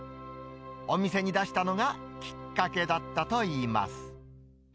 お店に出したのがきっかけだったといいます。